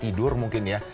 tidur mungkin ya